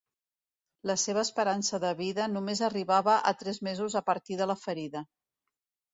La seva esperança de vida només arribava a tres mesos a partir de la ferida.